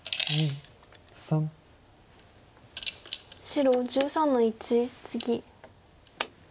白１３の一ツギ。